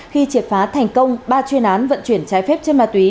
khi triệt phá thành công ba chuyên án vận chuyển trái phép chân ma túy